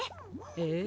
ええ。